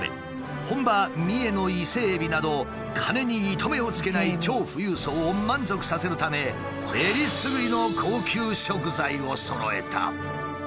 本場三重の伊勢海老など金に糸目をつけない超富裕層を満足させるため選りすぐりの高級食材をそろえた。